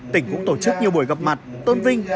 tỉnh cũng tổ chức nhiều buổi gặp mặt tôn vinh